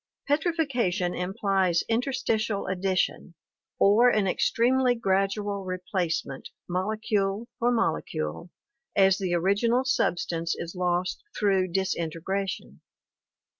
Petrifaction implies interstitial addition or an extremely gradual replacement, molecule for molecule, as the original sub stance is lost through disintegration.